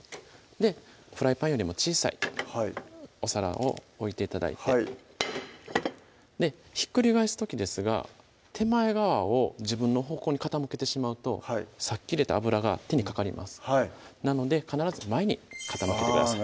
フライパンよりも小さいお皿を置いて頂いてひっくり返す時ですが手前側を自分の方向に傾けてしまうとさっき入れた油が手にかかりますはいなので必ず前に傾けてください